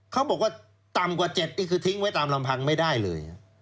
เขาบอกว่าต่ำกว่า๗นี่คือทิ้งไว้ตามลำพังไม่ได้เลย